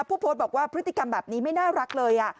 ผู้โพสต์บอกว่าพฤติกรรมแบบนี้ไม่น่ารักเลย